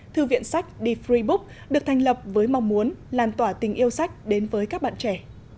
thư viện sách the free book được thành lập với mong muốn làn tỏa tình yêu sách đến với các bạn trẻ